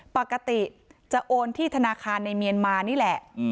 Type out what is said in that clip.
ปกติจะโอนที่ธนาคารในเมียนมานี่แหละ